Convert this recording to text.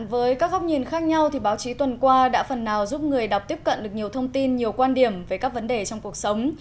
với các góc nhìn khác nhau báo chí tuần qua đã phần nào giúp người đọc tiếp cận được nhiều thông tin nhiều quan điểm về các vấn đề trong cuộc sống